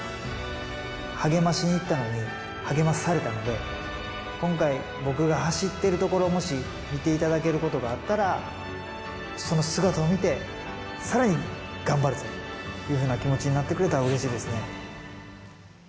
励ましに行ったのに、励まされたので、今回、僕が走っているところをもし見ていただけることがあったら、その姿を見て、さらに頑張るぞっていうふうな気持ちになってくれたらうれしいですね。